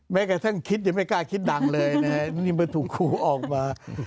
แม้กระทั่งคิดยังไม่กล้าคิดดังเลยนะฮะนี่มันถูกครูออกมา